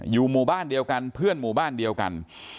อยู่หมู่บ้านเดียวกันเพื่อนหมู่บ้านเดียวกัน